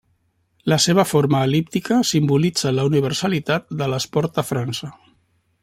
La seva forma el·líptica simbolitza la universalitat de l'esport a França.